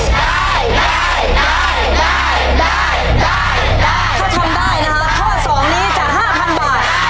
ถ้าทำได้นะคะข้อสองนี้จะ๕๐๐๐บาท